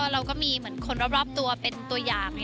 เราก็มีคนรอบตัวเป็นตัวอย่าง